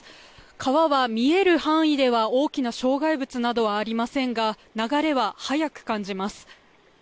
川は見える範囲では大きな障害物などはありませんが流れは速く感じます。